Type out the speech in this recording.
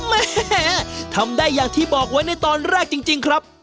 แม่ทำได้อย่างที่บอกไว้ในตอนแรกจริงครับ